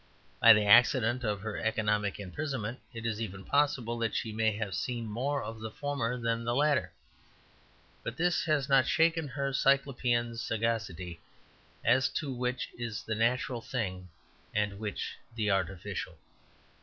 By the accident of her economic imprisonment it is even possible that she may have seen more of the former than the latter. But this has not shaken her cyclopean sagacity as to which is the natural thing and which the artificial.